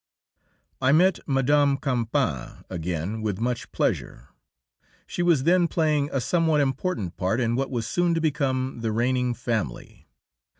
I met Mme. Campan again with much pleasure. She was then playing a somewhat important part in what was soon to become the reigning family.